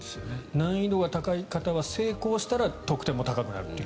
難易度が高い形は成功したら得点も高くなる。